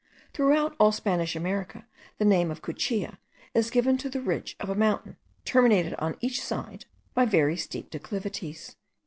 Throughout all Spanish America the name of "cuchilla" is given to the ridge of a mountain terminated on each side by very steep declivities.)